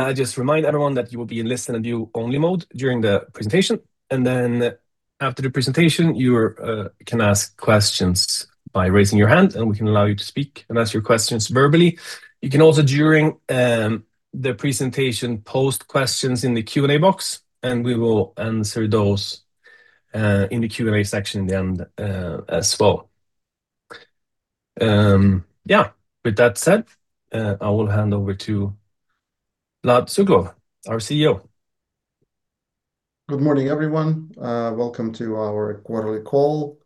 I just remind everyone that you will be in listen and view-only mode during the presentation. After the presentation, you can ask questions by raising your hand, and we can allow you to speak and ask your questions verbally. You can also, during the presentation, post questions in the Q&A box, and we will answer those in the Q&A section in the end as well. Yeah. With that said, I will hand over to Vlad Suglobov, our CEO. Good morning, everyone. Welcome to our quarterly call.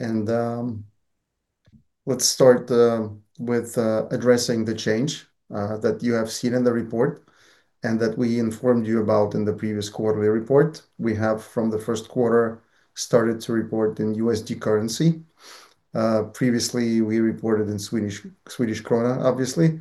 Let's start with addressing the change that you have seen in the report and that we informed you about in the previous quarterly report. We have, from the Q1, started to report in USD currency. Previously, we reported in Swedish krona, obviously.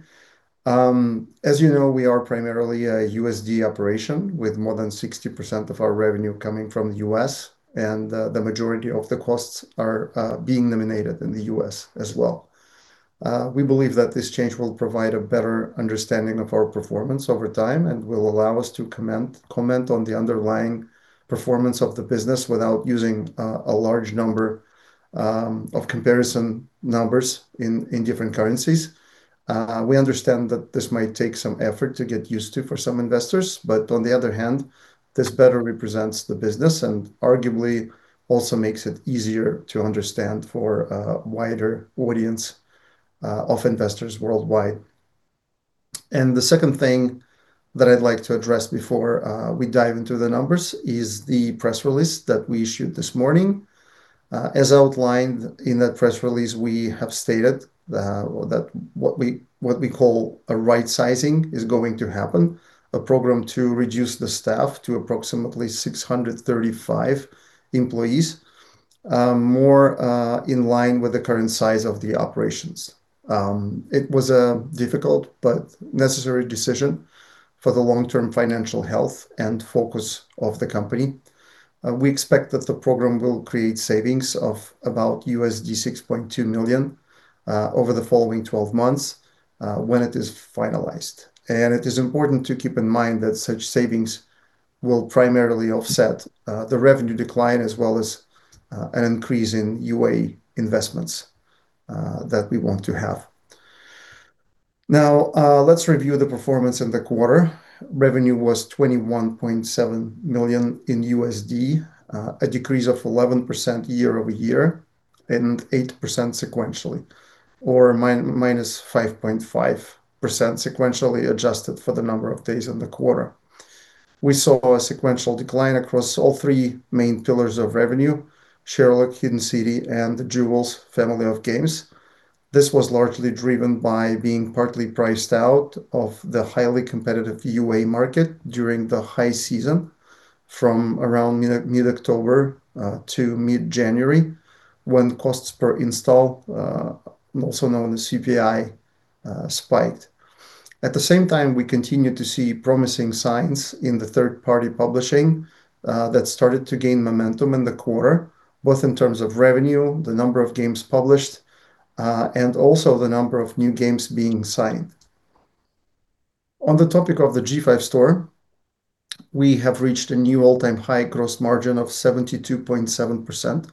As you know, we are primarily a USD operation, with more than 60% of our revenue coming from the U.S., and the majority of the costs are being nominated in the U.S. as well. We believe that this change will provide a better understanding of our performance over time and will allow us to comment on the underlying performance of the business without using a large number of comparison numbers in different currencies. We understand that this might take some effort to get used to for some investors, but on the other hand, this better represents the business and arguably also makes it easier to understand for a wider audience of investors worldwide. The second thing that I'd like to address before we dive into the numbers is the press release that we issued this morning. As outlined in that press release, we have stated that what we call a right sizing is going to happen, a program to reduce the staff to approximately 635 employees, more in line with the current size of the operations. It was a difficult but necessary decision for the long-term financial health and focus of the company. We expect that the program will create savings of about $6.2 million over the following 12 months when it is finalized. It is important to keep in mind that such savings will primarily offset the revenue decline, as well as an increase in UA investments that we want to have. Let's review the performance in the quarter. Revenue was $21.7 million, a decrease of 11% year-over-year and 8% sequentially, or minus 5.5% sequentially adjusted for the number of days in the quarter. We saw a sequential decline across all three main pillars of revenue, Sherlock, Hidden City, and the Jewels family of games. This was largely driven by being partly priced out of the highly competitive UA market during the high season from around mid-October to mid-January, when costs per install, also known as CPI, spiked. At the same time, we continued to see promising signs in the third-party publishing that started to gain momentum in the quarter, both in terms of revenue, the number of games published, and also the number of new games being signed. On the topic of the G5 Store, we have reached a new all-time high gross margin of 72.7%,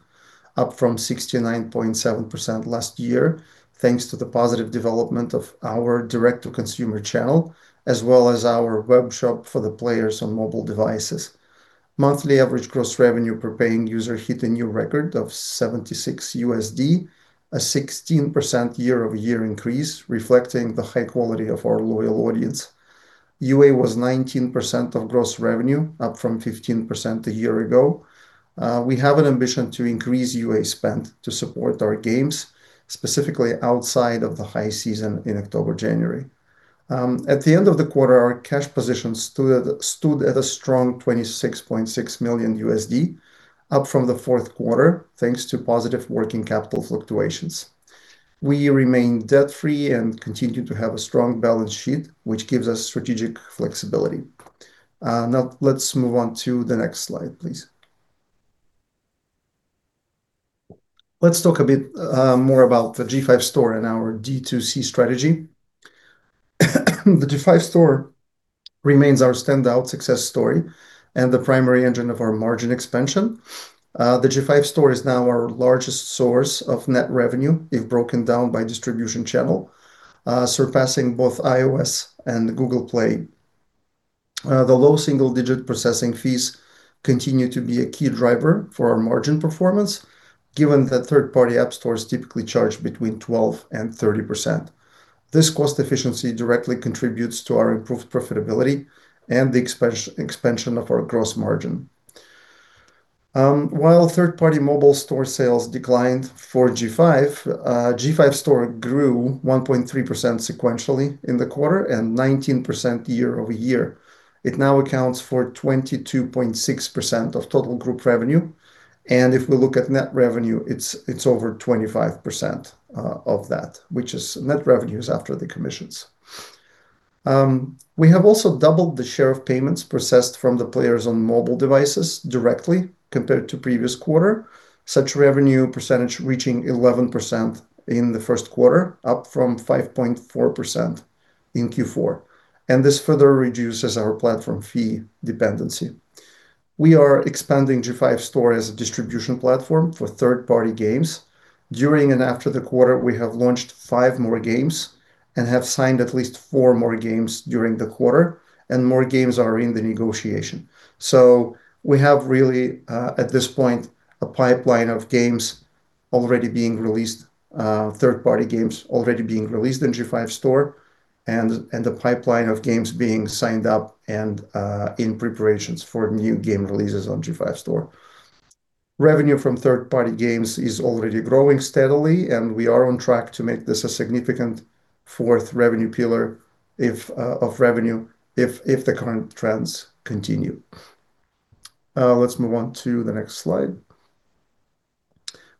up from 69.7% last year, thanks to the positive development of our direct-to-consumer channel, as well as our web shop for the players on mobile devices. Monthly average gross revenue per paying user hit a new record of $76, a 16% year-over-year increase, reflecting the high quality of our loyal audience. UA was 19% of gross revenue, up from 15% a year ago. We have an ambition to increase UA spend to support our games, specifically outside of the high season in October, January. At the end of the quarter, our cash position stood at a strong $26.6 million, up from the Q4, thanks to positive working capital fluctuations. We remain debt-free and continue to have a strong balance sheet, which gives us strategic flexibility. Now let's move on to the next slide, please. Let's talk a bit more about the G5 Store and our D2C strategy. The G5 Store remains our standout success story and the primary engine of our margin expansion. The G5 Store is now our largest source of net revenue if broken down by distribution channel, surpassing both iOS and Google Play. The low single-digit processing fees continue to be a key driver for our margin performance, given that third-party app stores typically charge between 12% and 30%. This cost efficiency directly contributes to our improved profitability and the expansion of our gross margin. While third-party mobile store sales declined for G5 Store grew 1.3% sequentially in the quarter and 19% year-over-year. It now accounts for 22.6% of total group revenue. If we look at net revenue, it's over 25% of that, which is net revenues after the commissions. We have also doubled the share of payments processed from the players on mobile devices directly compared to previous quarter. Such revenue percentage reaching 11% in the Q1, up from 5.4% in Q4. This further reduces our platform fee dependency. We are expanding G5 Store as a distribution platform for third-party games. During and after the quarter, we have launched five more games and have signed at least four more games during the quarter. More games are in the negotiation. We have really, at this point, a pipeline of games already being released, third-party games already being released in G5 Store and a pipeline of games being signed up and in preparations for new game releases on G5 Store. Revenue from third-party games is already growing steadily, and we are on track to make this a significant fourth revenue pillar of revenue if the current trends continue. Let's move on to the next slide.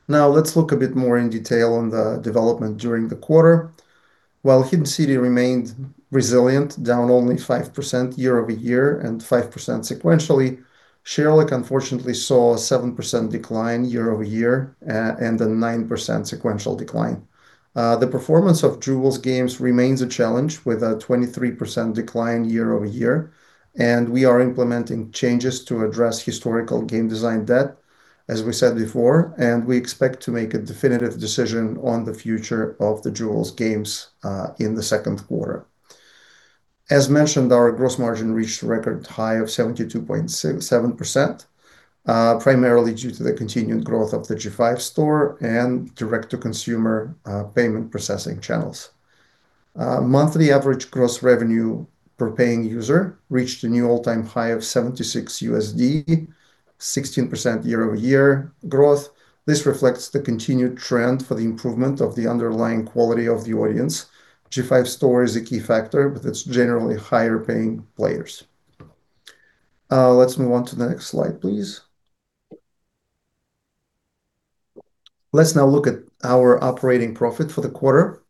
Now, let's look a bit more in detail on the development during the quarter. While Hidden City remained resilient, down only 5% year-over-year and 5% sequentially, Sherlock unfortunately saw a 7% decline year-over-year and a 9% sequential decline. The performance of Jewels games remains a challenge with a 23% decline year-over-year, and we are implementing changes to address historical game design debt, as we said before, and we expect to make a definitive decision on the future of the Jewels games in the Q2. As mentioned, our gross margin reached a record high of 72.67%, primarily due to the continued growth of the G5 Store and direct-to-consumer payment processing channels. Monthly average gross revenue per paying user reached a new all-time high of $76, 16% year-over-year growth. This reflects the continued trend for the improvement of the underlying quality of the audience. G5 Store is a key factor with its generally higher-paying players. Let's move on to the next slide, please. Let's now look at our operating profit for the quarter.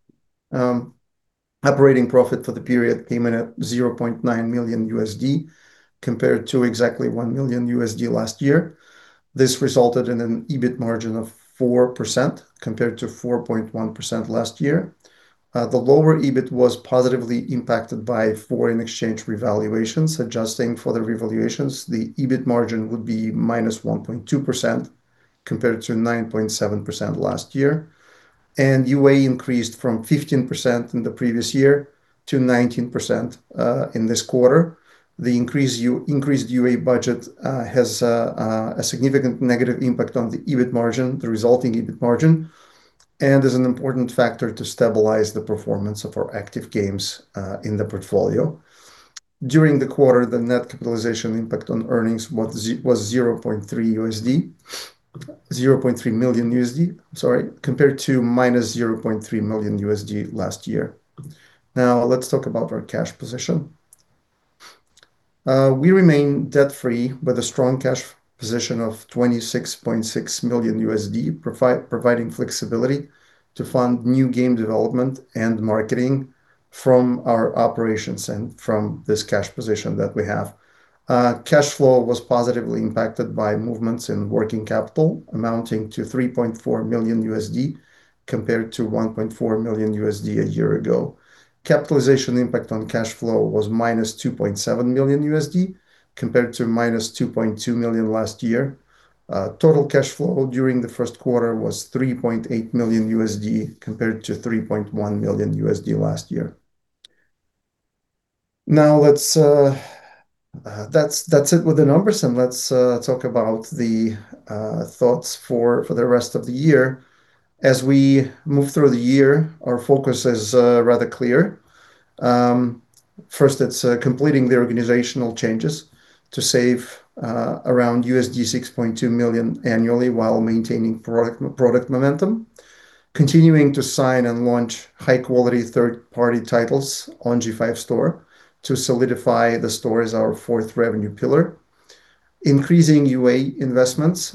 Operating profit for the period came in at $0.9 million compared to exactly $1 million last year. This resulted in an EBIT margin of 4% compared to 4.1% last year. The lower EBIT was positively impacted by foreign exchange revaluations. Adjusting for the revaluations, the EBIT margin would be -1.2% compared to 9.7% last year. UA increased from 15% in the previous year to 19% in this quarter. The increased UA budget has a significant negative impact on the EBIT margin, the resulting EBIT margin, and is an important factor to stabilize the performance of our active games in the portfolio. During the quarter, the net capitalization impact on earnings was $0.3, $0.3 million, sorry, compared to -$0.3 million last year. Now, let's talk about our cash position. We remain debt-free with a strong cash position of $26.6 million, providing flexibility to fund new game development and marketing from our operations and from this cash position that we have. Cash flow was positively impacted by movements in working capital amounting to $3.4 million compared to $1.4 million a year ago. Capitalization impact on cash flow was -$2.7 million compared to -$2.2 million last year. Total cash flow during the Q1 was $3.8 million compared to $3.1 million last year. That's it with the numbers, and let's talk about the thoughts for the rest of the year. As we move through the year, our focus is rather clear. First, it's completing the organizational changes to save around $6.2 million annually while maintaining product momentum. Continuing to sign and launch high-quality third-party titles on G5 Store to solidify the store as our fourth revenue pillar. Increasing UA investments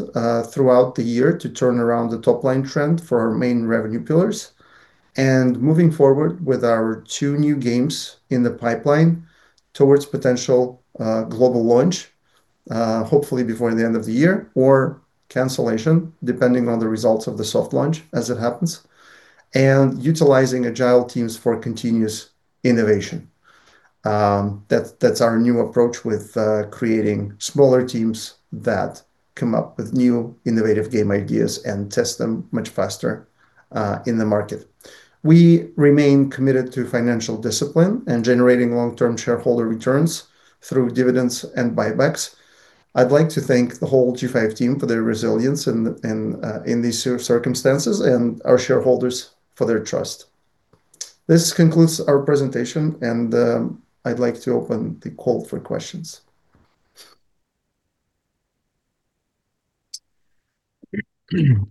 throughout the year to turn around the top-line trend for our main revenue pillars. Moving forward with our two new games in the pipeline towards potential global launch, hopefully before the end of the year or cancellation, depending on the results of the soft launch as it happens. Utilizing agile teams for continuous innovation. That's our new approach with creating smaller teams that come up with new innovative game ideas and test them much faster in the market. We remain committed to financial discipline and generating long-term shareholder returns through dividends and buybacks. I'd like to thank the whole G5 team for their resilience in these circumstances and our shareholders for their trust. This concludes our presentation, I'd like to open the call for questions.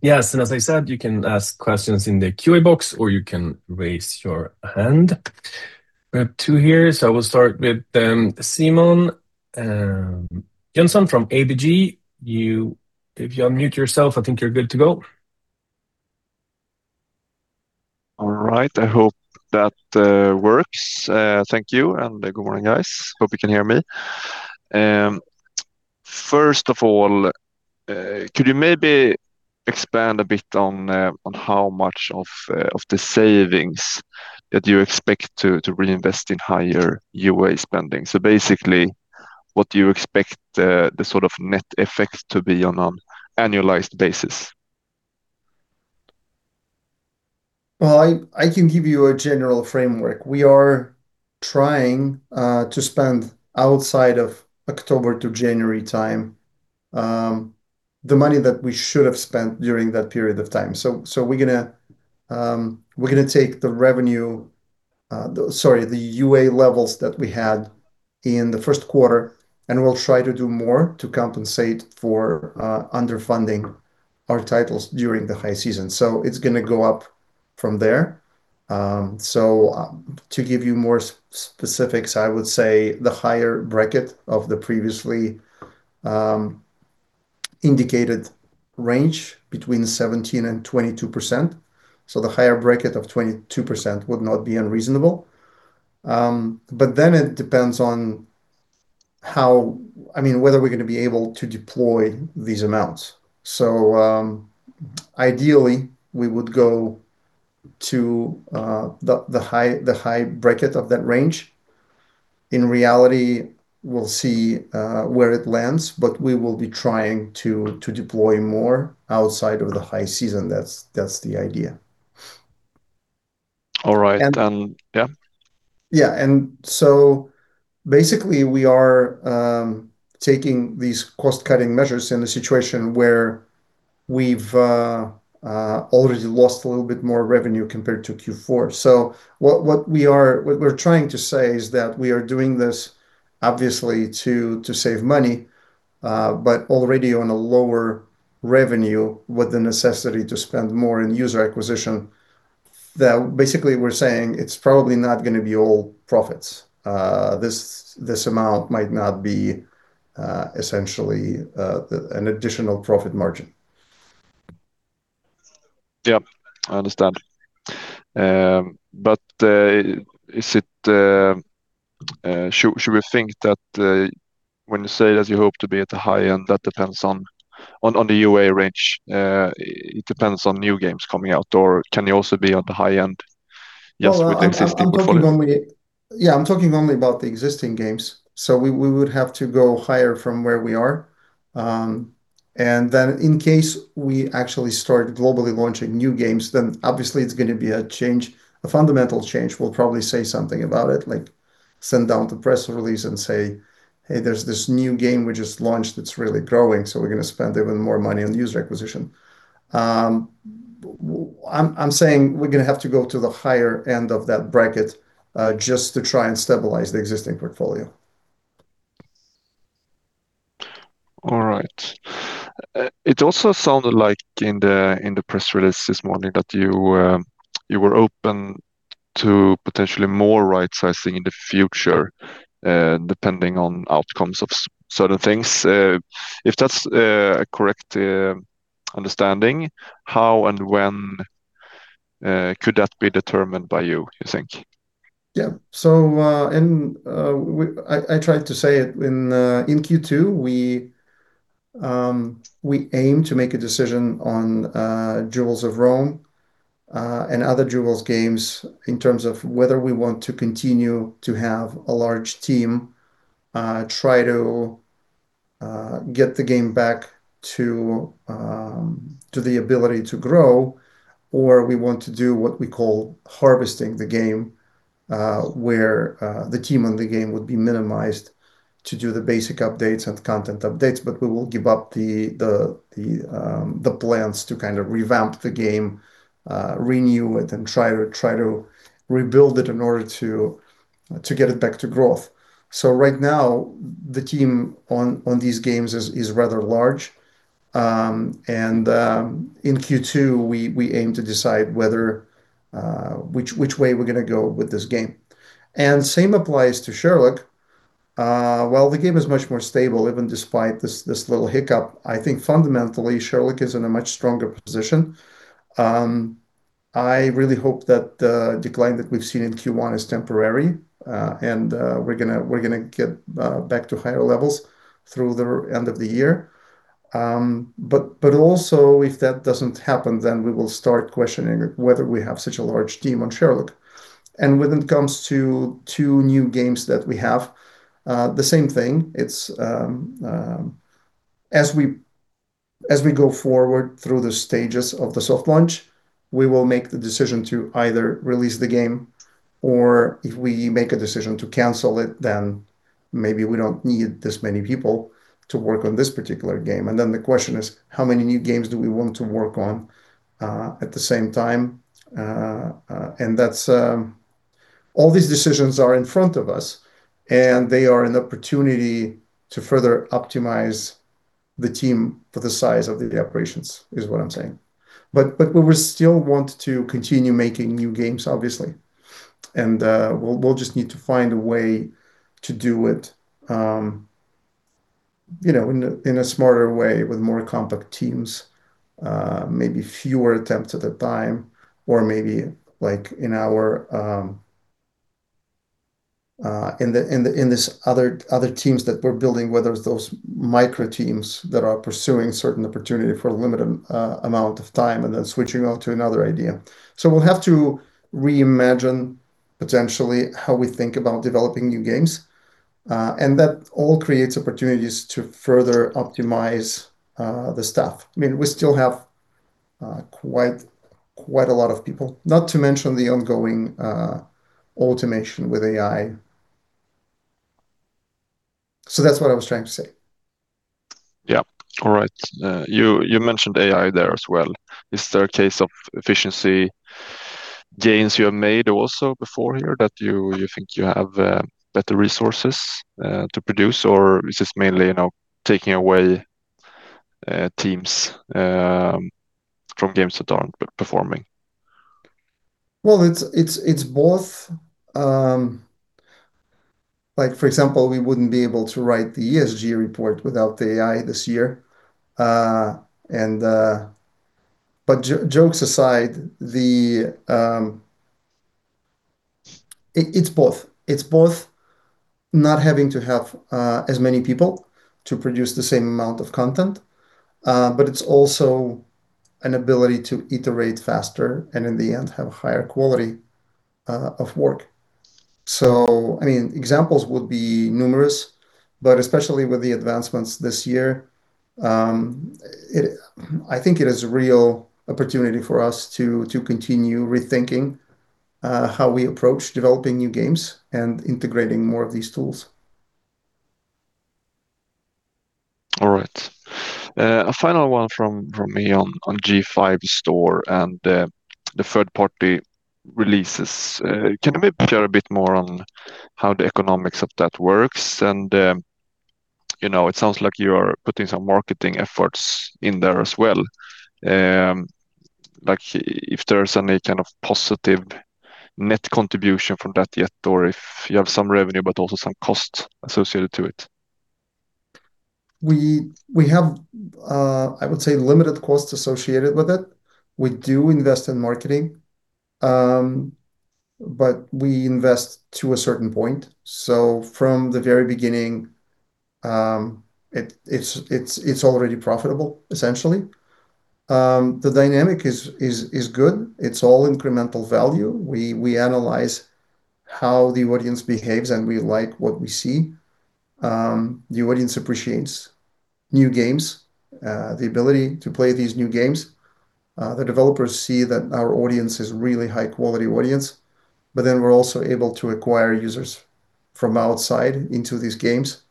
As I said, you can ask questions in the Q&A box, or you can raise your hand. We have two here, so we'll start with Simon Jönsson from ABG. If you unmute yourself, I think you're good to go. All right. I hope that works. Thank you, and good morning, guys. Hope you can hear me. First of all, could you maybe expand a bit on how much of the savings that you expect to reinvest in higher UA spending? Basically, what do you expect the sort of net effect to be on an annualized basis? I can give you a general framework. We are trying to spend outside of October to January time the money that we should have spent during that period of time. We're going to take the revenue, sorry, the UA levels that we had in the Q1, and we'll try to do more to compensate for underfunding our titles during the high season. It's going to go up from there. To give you more specifics, I would say the higher bracket of the previously indicated range between 17% and 22%, so the higher bracket of 22% would not be unreasonable. I mean, it depends on whether we're going to be able to deploy these amounts. Ideally, we would go to the high bracket of that range. In reality, we will see where it lands, but we will be trying to deploy more outside of the high season. That's the idea. All right. And- Yeah. Yeah. Basically, we are taking these cost-cutting measures in a situation where we've already lost a little bit more revenue compared to Q4. What we're trying to say is that we are doing this obviously to save money, but already on a lower revenue with the necessity to spend more in user acquisition that basically we're saying it's probably not going to be all profits. This, this amount might not be essentially an additional profit margin. Yeah. I understand. Should we think that, when you say that you hope to be at the high end, that depends on the UA range, it depends on new games coming out, or can you also be at the high end just with existing portfolio? Well, I'm talking only about the existing games. We would have to go higher from where we are. In case we actually start globally launching new games, obviously it's going to be a change, a fundamental change. We'll probably say something about it, like send out a press release and say, "Hey, there's this new game we just launched that's really growing, so we're going to spend even more money on user acquisition." I'm saying we're going to have to go to the higher end of that bracket, just to try and stabilize the existing portfolio. All right. It also sounded like in the, in the press release this morning that you were open to potentially more right-sizing in the future, depending on outcomes of certain things. If that's a correct understanding, how and when could that be determined by you think? Yeah. I tried to say it in Q2, we aim to make a decision on Jewels of Rome and other Jewels games in terms of whether we want to continue to have a large team, try to get the game back to the ability to grow or we want to do what we call harvesting the game, where the team on the game would be minimized to do the basic updates and content updates. We will give up the plans to kind of revamp the game, renew it and try to rebuild it in order to get it back to growth. Right now, the team on these games is rather large. In Q2, we aim to decide whether which way we're going to go with this game. Same applies to Sherlock. While the game is much more stable, even despite this little hiccup, I think fundamentally, Sherlock is in a much stronger position. I really hope that the decline that we've seen in Q1 is temporary, and we're going to get back to higher levels through the end of the year. Also if that doesn't happen, then we will start questioning whether we have such a large team on Sherlock. When it comes to two new games that we have, the same thing. It's, as we go forward through the stages of the soft launch, we will make the decision to either release the game or if we make a decision to cancel it, then maybe we don't need this many people to work on this particular game. The question is, how many new games do we want to work on, at the same time? All these decisions are in front of us, and they are an opportunity to further optimize the team for the size of the operations, is what I'm saying. We will still want to continue making new games, obviously. We'll just need to find a way to do it, you know, in a smarter way with more compact teams, maybe fewer attempts at a time or maybe like in our in the other teams that we're building, whether it's those micro teams that are pursuing certain opportunity for a limited amount of time and then switching out to another idea. We'll have to reimagine potentially how we think about developing new games, and that all creates opportunities to further optimize the staff. I mean, we still have quite a lot of people. Not to mention the ongoing automation with AI. That's what I was trying to say. Yeah. All right. You mentioned AI there as well. Is there a case of efficiency gains you have made also before here that you think you have better resources to produce? Or is this mainly, you know, taking away teams from games that aren't performing? It's both. Like for example, we wouldn't be able to write the ESG report without the AI this year. Jokes aside, it's both. It's both not having to have as many people to produce the same amount of content, but it's also an ability to iterate faster and in the end have a higher quality of work. I mean, examples would be numerous, but especially with the advancements this year, I think it is a real opportunity for us to continue rethinking how we approach developing new games and integrating more of these tools. All right. A final one from me on G5 Store and the third-party releases. Can you maybe share a bit more on how the economics of that works? You know, it sounds like you are putting some marketing efforts in there as well. Like if there's any kind of positive net contribution from that yet, or if you have some revenue, but also some cost associated to it. We have, I would say limited costs associated with it. We do invest in marketing. We invest to a certain point. From the very beginning, it's already profitable essentially. The dynamic is good. It's all incremental value. We analyze how the audience behaves. We like what we see. The audience appreciates new games, the ability to play these new games. The developers see that our audience is really high-quality audience. We're also able to acquire users from outside into these games.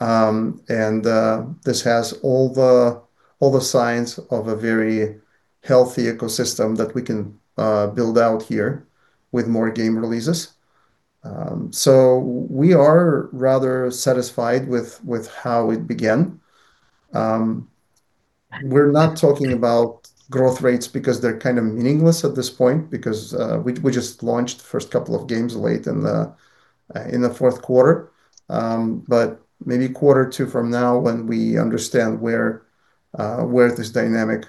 This has all the signs of a very healthy ecosystem that we can build out here with more game releases. We are rather satisfied with how it began. We're not talking about growth rates because they're kind of meaningless at this point because we just launched the first couple of games late in the Q4. Maybe quarter 2 from now when we understand where this dynamic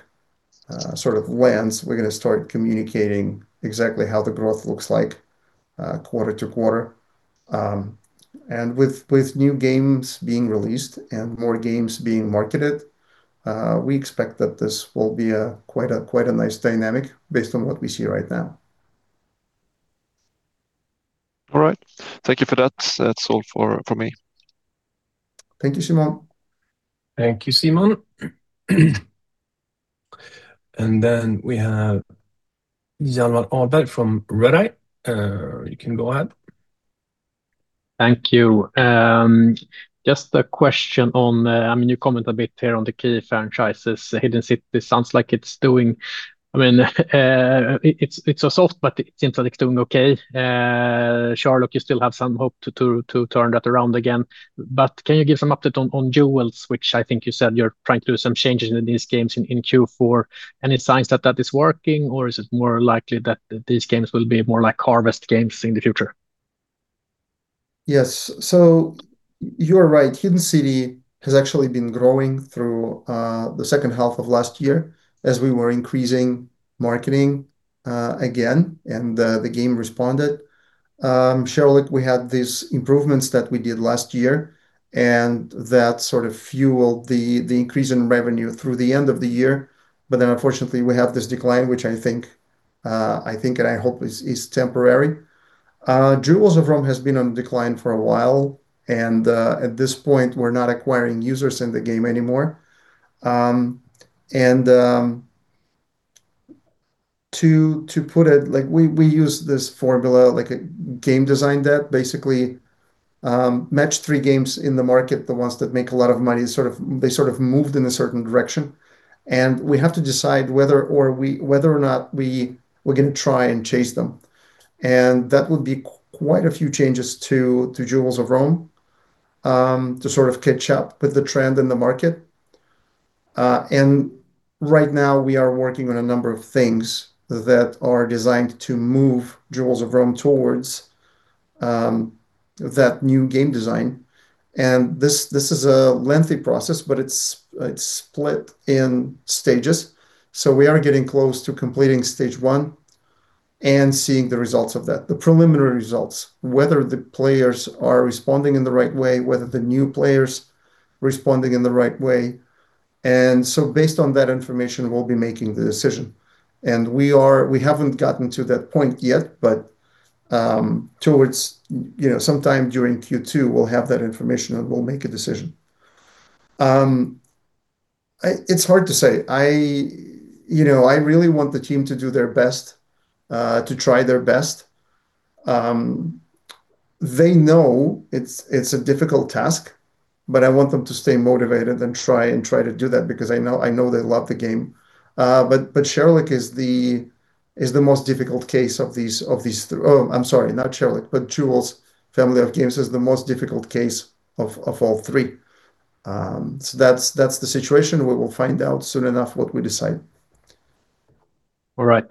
sort of lands, we're going to start communicating exactly how the growth looks like, quarter-to-quarter. With new games being released and more games being marketed, we expect that this will be a quite a nice dynamic based on what we see right now. All right. Thank you for that. That's all for me. Thank you, Simon. Thank you, Simon. We have Hjalmar Ahlberg from Redeye. You can go ahead. Thank you. Just a question on, you comment a bit here on the key franchises. Hidden City sounds like it's a soft, but it seems like it's doing okay. Sherlock, you still have some hope to turn that around again. Can you give some update on Jewels, which I think you said you're trying to do some changes in these games in Q4. Any signs that that is working or is it more likely that these games will be more like harvest games in the future? Yes. You are right. Hidden City has actually been growing through the H2 of last year as we were increasing marketing again and the game responded. Sherlock, we had these improvements that we did last year, and that sort of fueled the increase in revenue through the end of the year. Unfortunately, we have this decline, which I think and I hope is temporary. Jewels of Rome has been on decline for a while, and at this point, we're not acquiring users in the game anymore. Like, we use this formula like a game design that basically, match-three games in the market, the ones that make a lot of money, they moved in a certain direction, we have to decide whether or not we are going to try and chase them. That would be quite a few changes to Jewels of Rome to sort of catch up with the trend in the market. Right now, we are working on a number of things that are designed to move Jewels of Rome towards that new game design. This is a lengthy process, but it's split in stages. We are getting close to completing stage one and seeing the results of that. The preliminary results, whether the players are responding in the right way, whether the new players responding in the right way. Based on that information, we'll be making the decision, we haven't gotten to that point yet, but, you know, sometime during Q2 we'll have that information and we'll make a decision. It's hard to say. I, you know, I really want the team to do their best, to try their best. They know it's a difficult task, but I want them to stay motivated and try to do that because I know they love the game. But Sherlock is the most difficult case of these three. Oh, I'm sorry, not Sherlock, but Jewels family of games is the most difficult case of all three. That's the situation. We will find out soon enough what we decide. All right.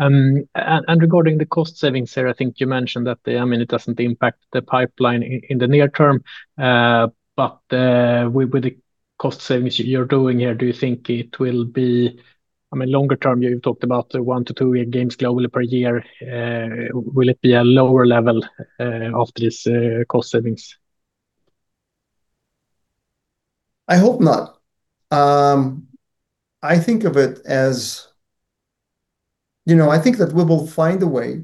Regarding the cost savings there, I think you mentioned that, I mean, it doesn't impact the pipeline in the near term, but with the cost savings you're doing here, do you think it will be, I mean, longer term you've talked about the one to two new games globally per year, will it be a lower level after this cost savings? I hope not. I think of it as, you know, I think that we will find a way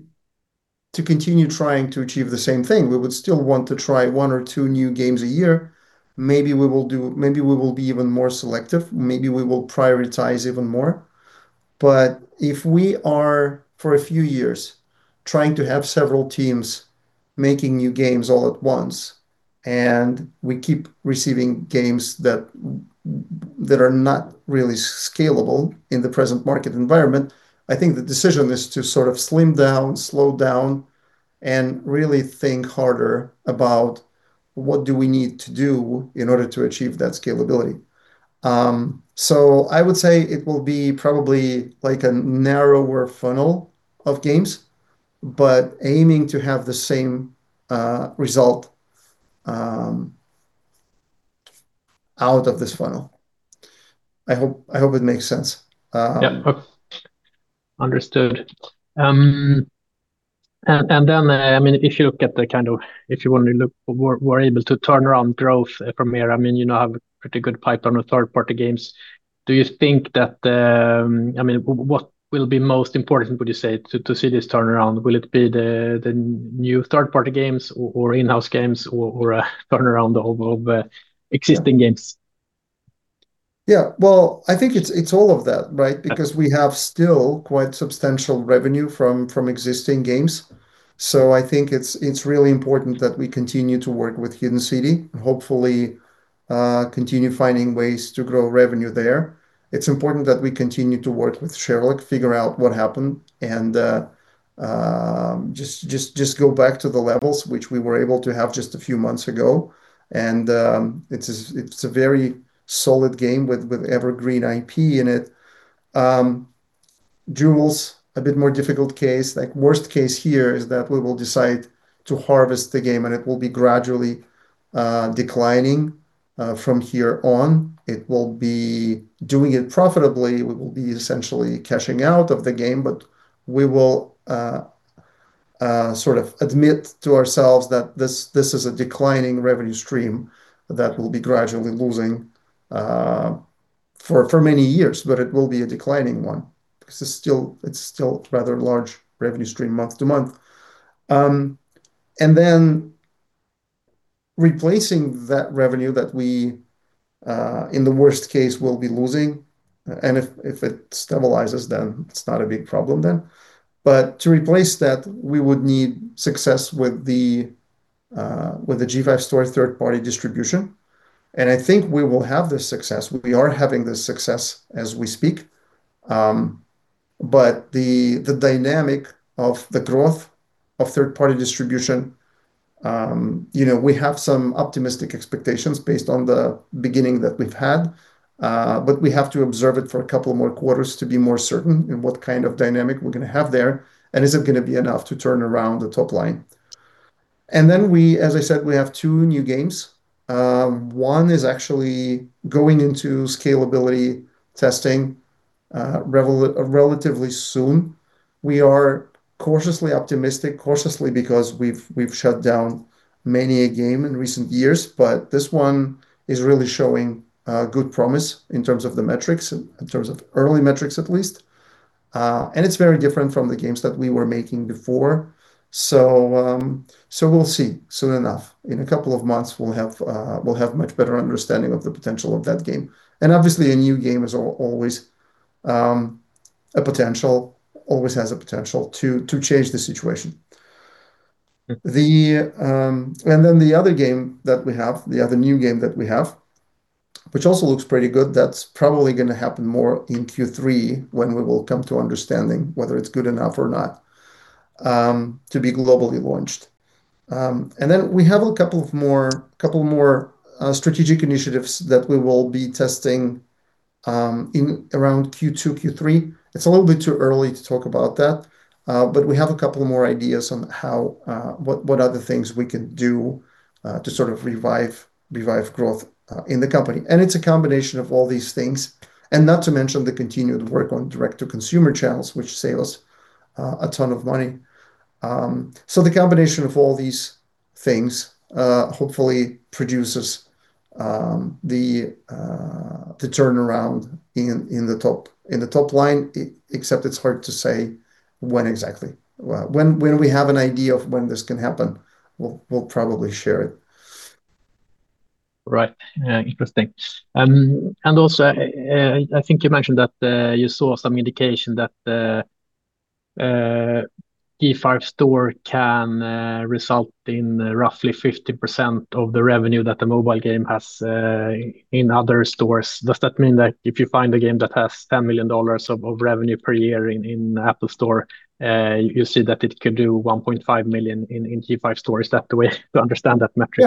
to continue trying to achieve the same thing. We would still want to try one or two new games a year. Maybe we will be even more selective, maybe we will prioritize even more. If we are, for a few years, trying to have several teams making new games all at once, and we keep receiving games that are not really scalable in the present market environment, I think the decision is to sort of slim down, slow down, and really think harder about what do we need to do in order to achieve that scalability. I would say it will be probably like a narrower funnel of games but aiming to have the same result out of this funnel. I hope it makes sense. Yeah. Understood. I mean, if you want to look, we're able to turn around growth from here, I mean, you now have a pretty good pipeline of third-party games. Do you think that, I mean, what will be most important would you say to see this turnaround? Will it be the new third-party games or in-house games or a turnaround of existing games? Yeah. Well, I think it's all of that, right? Yeah. We have still quite substantial revenue from existing games. I think it's really important that we continue to work with Hidden City, and hopefully, continue finding ways to grow revenue there. It's important that we continue to work with Sherlock, figure out what happened, and go back to the levels which we were able to have just a few months ago. It's a very solid game with evergreen IP in it. Jewels, a bit more difficult case, like worst case here is that we will decide to harvest the game and it will be gradually declining from here on. It will be doing it profitably. We will be essentially cashing out of the game, but we will sort of admit to ourselves that this is a declining revenue stream that will be gradually losing for many years, but it will be a declining one, because it's still rather large revenue stream month to month. Replacing that revenue that we in the worst case will be losing, and if it stabilizes, then it's not a big problem then. To replace that, we would need success with the G5 Store third-party distribution, and I think we will have the success. We are having the success as we speak. The dynamic of the growth of third-party distribution, you know, we have some optimistic expectations based on the beginning that we've had, but we have to observe it for a couple more quarters to be more certain in what kind of dynamic we're going to have there, and is it going to be enough to turn around the top line? We, as I said, we have two new games. One is actually going into scalability testing, relatively soon. We are cautiously optimistic, cautiously because we've shut down many a game in recent years. This one is really showing, good promise in terms of the metrics, in terms of early metrics at least. And it's very different from the games that we were making before. We'll see soon enough. In a couple of months we'll have much better understanding of the potential of that game. Obviously a new game is always, a potential, always has a potential to change the situation. The other game that we have, the other new game that we have, which also looks pretty good, that's probably going to happen more in Q3 when we will come to understanding whether it's good enough or not to be globally launched. We have a couple more strategic initiatives that we will be testing in around Q2, Q3. It's a little bit too early to talk about that. We have a couple of more ideas on how what other things we can do to sort of revive growth in the company. It's a combination of all these things, not to mention the continued work on direct to consumer channels which saves us a ton of money. The combination of all these things, hopefully produces the turnaround in the top line except it's hard to say when exactly. When we have an idea of when this can happen, we'll probably share it. Right. Yeah. Interesting. And also, I think you mentioned that you saw some indication that G5 Store can result in roughly 50% of the revenue that the mobile game has in other stores. Does that mean that if you find a game that has $10 million of revenue per year in App Store, you see that it could do $1.5 million in G5 Store? Is that the way to understand that metric?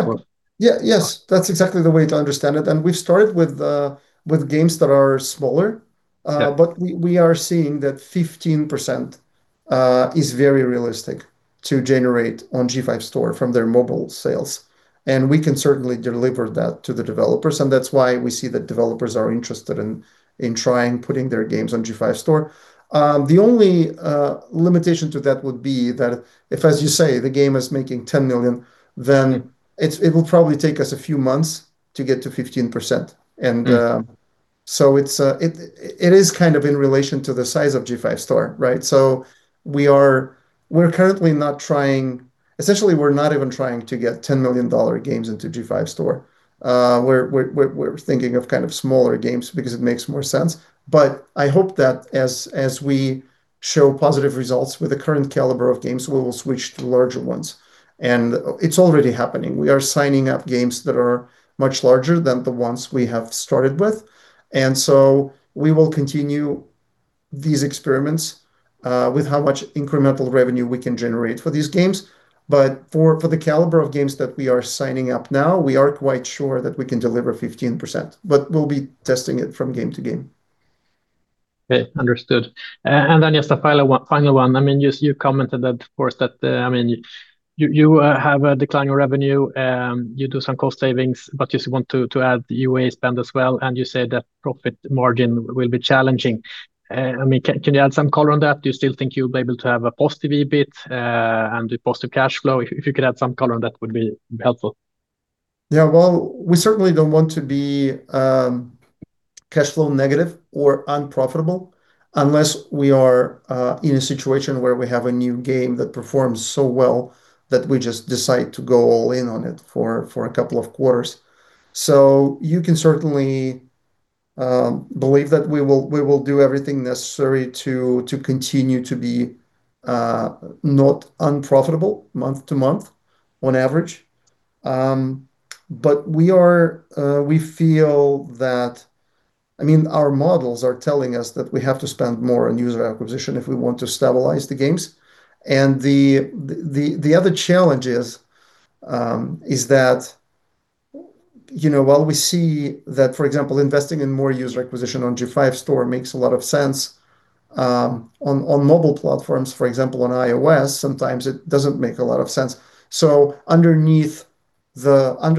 Yeah. Yes, that's exactly the way to understand it. We've started with games that are smaller. Yeah. We, we are seeing that 15% is very realistic to generate on G5 Store from their mobile sales, and we can certainly deliver that to the developers, and that's why we see that developers are interested in trying putting their games on G5 Store. The only limitation to that would be that if, as you say, the game is making $10 million, then it will probably take us a few months to get to 15%. It is kind of in relation to the size of G5 Store, right? We're currently not trying Essentially, we're not even trying to get $10 million games into G5 Store. We're thinking of kind of smaller games because it makes more sense. I hope that as we show positive results with the current caliber of games, we will switch to larger ones. It's already happening. We are signing up games that are much larger than the ones we have started with. We will continue these experiments with how much incremental revenue we can generate for these games. For the caliber of games that we are signing up now, we are quite sure that we can deliver 15%, but we'll be testing it from game to game. Okay. Understood. Then just a final one. I mean, you commented that, of course, that, I mean, you have a decline in revenue. You do some cost savings, but you want to add UA spend as well, and you said that profit margin will be challenging. I mean, can you add some color on that? Do you still think you'll be able to have a positive EBIT and a positive cash flow? If you could add some color on that would be helpful. Yeah. Well, we certainly don't want to be cash flow negative or unprofitable unless we are in a situation where we have a new game that performs so well that we just decide to go all in on it for a couple of quarters. You can certainly believe that we will do everything necessary to continue to be not unprofitable month to month on average. We feel that, I mean, our models are telling us that we have to spend more on user acquisition if we want to stabilize the games. The other challenge is that, you know, while we see that, for example, investing in more user acquisition on G5 Store makes a lot of sense, on mobile platforms, for example, on iOS, sometimes it doesn't make a lot of sense. Under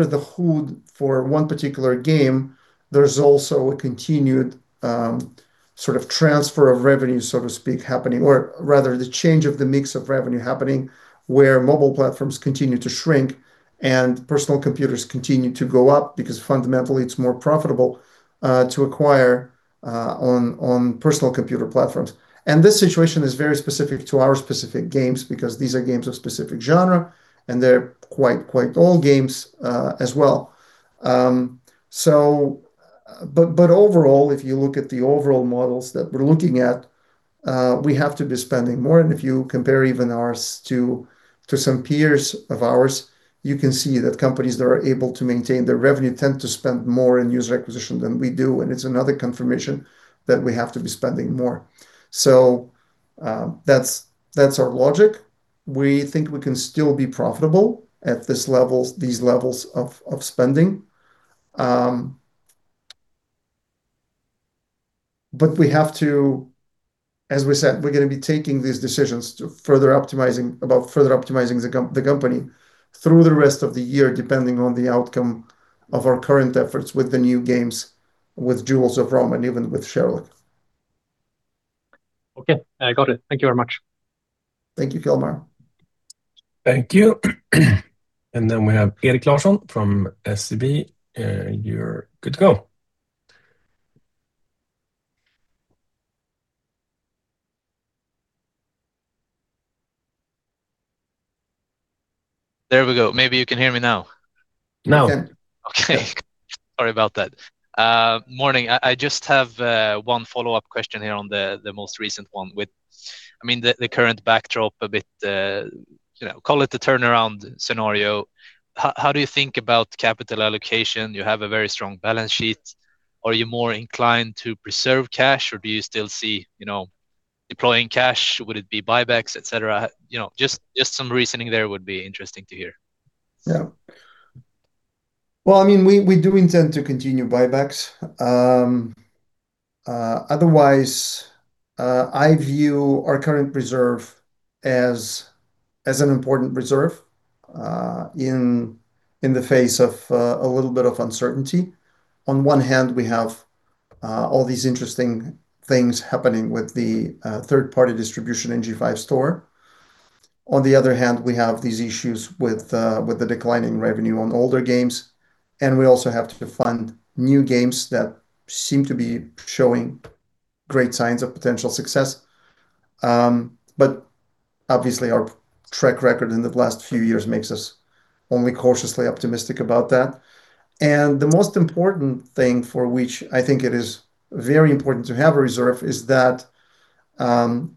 the hood for one particular game, there's also a continued sort of transfer of revenue, so to speak, happening or rather the change of the mix of revenue happening, where mobile platforms continue to shrink and personal computers continue to go up because fundamentally it's more profitable to acquire on personal computer platforms. This situation is very specific to our specific games because these are games of specific genre, and they're quite old games as well. Overall, if you look at the overall models that we're looking at, we have to be spending more. If you compare even ours to some peers of ours, you can see that companies that are able to maintain their revenue tend to spend more in user acquisition than we do, and it's another confirmation that we have to be spending more. That's our logic. We think we can still be profitable at these levels of spending. We have to, as we said, we're going to be taking these decisions to further optimizing, about further optimizing the company through the rest of the year, depending on the outcome of our current efforts with the new games, with Jewels of Rome, and even with Sherlock. Okay. I got it. Thank you very much. Thank you, Hjalmar Ahlberg. Thank you. Then we have Erik Larsson from SEB. You're good to go. There we go. Maybe you can hear me now. We can. Okay. Sorry about that. Morning. I just have one follow-up question here on the most recent one with, I mean, the current backdrop a bit, you know, call it the turnaround scenario. How do you think about capital allocation? You have a very strong balance sheet. Are you more inclined to preserve cash, or do you still see, you know, deploying cash? Would it be buybacks, et cetera? You know, some reasoning there would be interesting to hear. Yeah. Well, I mean, we do intend to continue buybacks. Otherwise, I view our current reserve as an important reserve in the face of a little bit of uncertainty. On one hand, we have all these interesting things happening with the third-party distribution in G5 Store. On the other hand, we have these issues with the declining revenue on older games, and we also have to fund new games that seem to be showing great signs of potential success. Obviously, our track record in the last few years makes us only cautiously optimistic about that. The most important thing for which I think it is very important to have a reserve is that,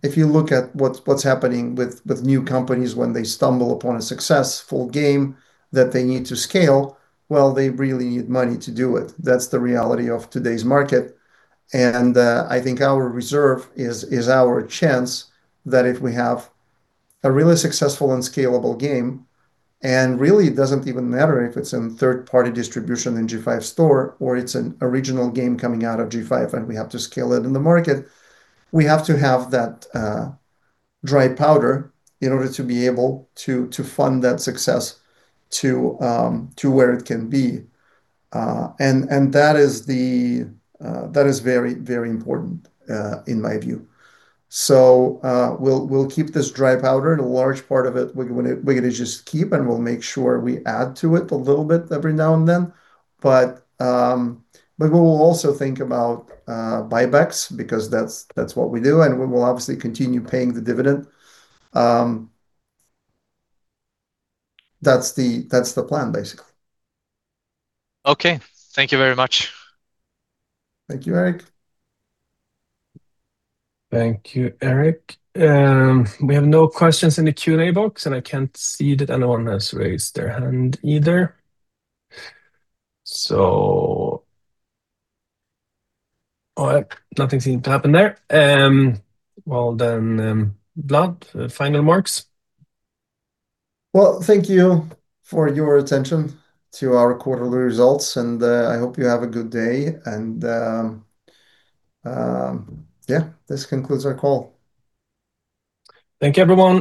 if you look at what's happening with new companies when they stumble upon a successful game that they need to scale, well, they really need money to do it. That's the reality of today's market. I think our reserve is our chance that if we have a really successful and scalable game, and really it doesn't even matter if it's in third-party distribution in G5 Store or it's an original game coming out of G5 and we have to scale it in the market, we have to have that dry powder in order to be able to fund that success to where it can be. That is very, very important in my view. We'll keep this dry powder and a large part of it we're going to just keep, and we'll make sure we add to it a little bit every now and then. We will also think about buybacks because that's what we do, and we will obviously continue paying the dividend. That's the plan, basically. Okay. Thank you very much. Thank you, Erik. Thank you, Erik. We have no questions in the Q&A box, and I can't see that anyone has raised their hand either. All right. Nothing seemed to happen there. Well, Vlad, final remarks. Well, thank you for your attention to our quarterly results. I hope you have a good day. Yeah, this concludes our call. Thank you, everyone.